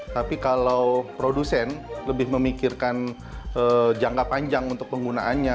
tapi jika produsen memikirkan jangka panjang untuk penggunaannya